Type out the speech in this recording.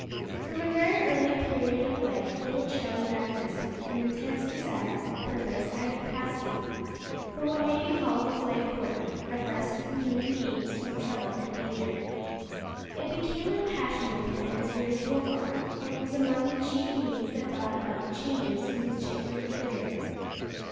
From a very early period of life little Charlie manifested an intense desire, purpose, and capacity for what may be called his life work of rescuing human beings from trouble and danger. It became a passion with him as years rolled on, and was among the chief means that brought about the changes in his chequered career.